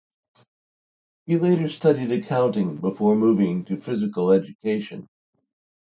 He later studied accounting before moving to physical education.